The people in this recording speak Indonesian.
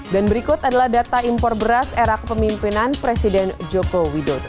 dan berikut adalah data impor beras era kepemimpinan presiden joko widodo